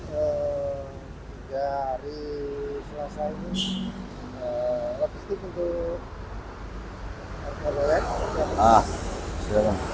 dan tolong signingsay di kolom komentar